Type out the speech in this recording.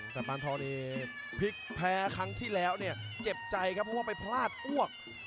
แต่ปานทองนี้พลิกแพ้ครั้งที่แล้วเนี่ยเจ็บใจครับเพราะว่าไปพลาดอ้วก